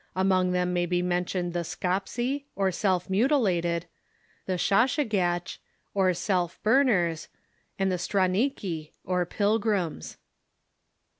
Among them may be mentioned the Skopzi, or self mutilated ; the Shoshigateh, or self burners ; and the Straniki, or Pilgrims.